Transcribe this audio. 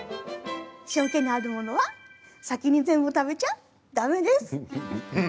塩けのあるものは先に全部食べちゃ、だめです！